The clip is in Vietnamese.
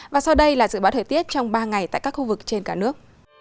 và sau đây là dự báo thời tiết trong ba ngày tại các khu vực trên cả nước